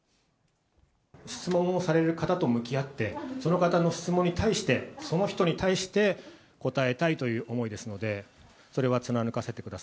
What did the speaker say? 質問をされる方と向き合って、その方の質問に対して、その人に対して答えたいという思いですので。